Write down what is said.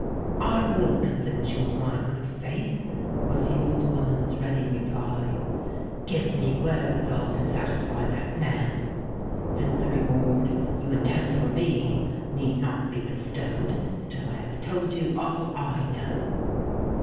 "I will convince you of my good faith," was the old woman's ready reply. "Give me wherewithal to satisfy that man; and the reward you intend for me need not be bestowed until I have told you all I know."